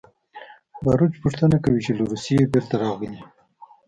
باروچ پوښتنه کوي چې له روسیې بېرته راغلې